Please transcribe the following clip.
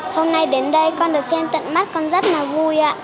hôm nay đến đây con được trên tận mắt con rất là vui ạ